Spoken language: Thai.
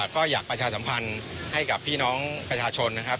ก็อยากประชาสัมพันธ์ให้กับพี่น้องประชาชนนะครับ